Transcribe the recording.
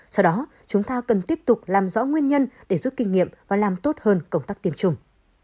do đó chúng ta cần tiếp tục làm rõ nguyên nhân để giúp kinh nghiệm và làm tốt hơn công tác tiêm chủng